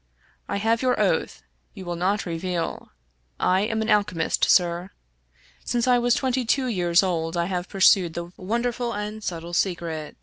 I have your oath ; you will not reveal. I am an alchemist, sir. Since I was twenty two years old, I have pursued the wonderful and subtle secret.